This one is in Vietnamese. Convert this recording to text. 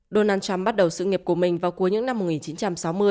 donald trump bắt đầu sự nghiệp của mình vào cuối những năm một nghìn chín trăm sáu mươi